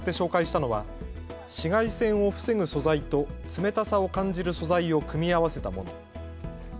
児童たちがイラストを使って紹介したのは紫外線を防ぐ素材と冷たさを感じる素材を組み合わせたもの。